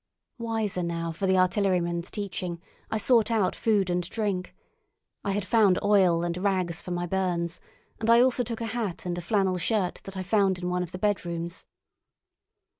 Wiser now for the artilleryman's teaching, I sought out food and drink. I had found oil and rags for my burns, and I also took a hat and a flannel shirt that I found in one of the bedrooms.